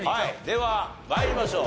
では参りましょう。